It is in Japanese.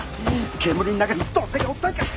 煙の中にどんだけおったんか。